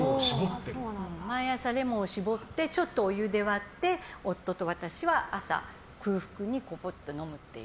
毎朝レモンを搾ってちょっとお湯で割って夫と私は朝、空腹に飲むっていう。